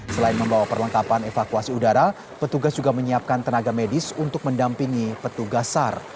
selain membawa perlengkapan evakuasi udara petugas juga menyiapkan tenaga medis untuk mendampingi petugas sar